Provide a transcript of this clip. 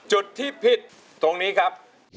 จุดที่ผิดตรงนี้ครับ